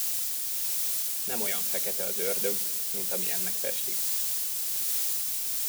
Nem olyan fekete az ördög, mint amilyennek festik.